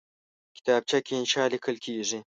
کتابچه کې انشاء لیکل کېږي